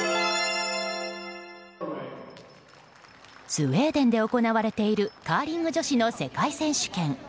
スウェーデンで行われているカーリング女子の世界選手権。